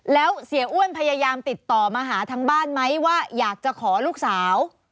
แล้วเสียอ้วนพยายามติดต่อมาหาทางบ้านไหมว่าอยากจะขอลูกสาว